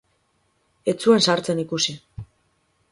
Ez zuen sartzen ikusi.